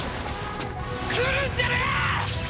来るんじゃねぇ！！